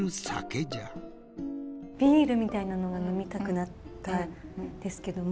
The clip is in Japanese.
ビールみたいなのが呑みたくなってですけども。